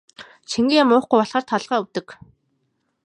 Шингэн юм уухгүй болохоор толгой өвдөг.